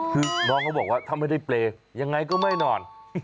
คือน้องเขาบอกว่าถ้าไม่ได้เปรย์ยังไงก็ไม่นอน